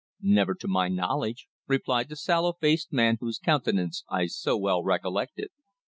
"Never to my knowledge," replied the sallow faced man whose countenance I so well recollected.